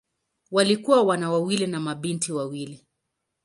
Walikuwa wana wawili na mabinti wawili.